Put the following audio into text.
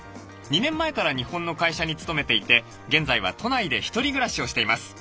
２年前から日本の会社に勤めていて現在は都内で１人暮らしをしています。